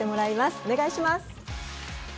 お願いします。